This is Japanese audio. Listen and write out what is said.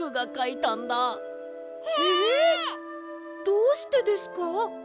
どうしてですか？